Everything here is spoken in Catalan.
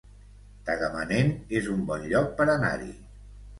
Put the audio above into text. Tagamanent es un bon lloc per anar-hi